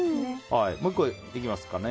もう１個いきますかね。